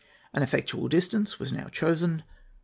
An effectual distance was now chosen.